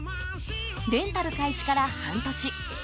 レンタル開始から半年。